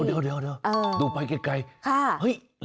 เดี๋ยวดูไปไกล